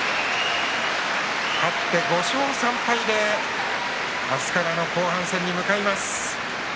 勝って５勝３敗で明日からの後半戦に向かいます。